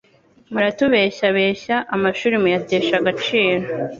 Muratubeshyabeshya amashuri muyatesha agaciro